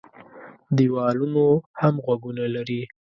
دېوالونو هم غوږونه لري.